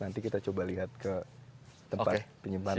nanti kita coba lihat ke tempat penyimpanan